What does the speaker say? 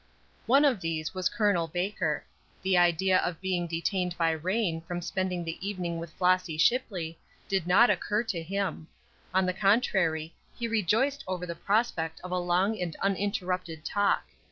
One of these was Col. Baker. The idea of being detained by rain from spending the evening with Flossy Shipley did not occur to him; on the contrary, he rejoiced over the prospect of a long and uninterrupted talk.